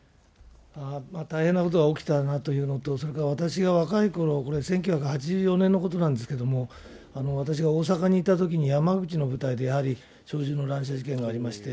大変なことが起きたなというのと、それから私が若いころ、これ、１９８４年のことなんですけれども、私が大阪にいたときに、山口の部隊でやはり小銃の乱射事件がありまして、